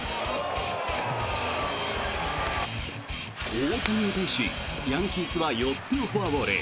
大谷に対し、ヤンキースは４つのフォアボール。